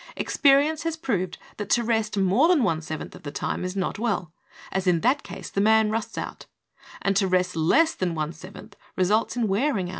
Experience has proved that to rest more than one seventh of the time is not well, as in that case the* man rusts out, and to rest less than one seventh results in wearing out.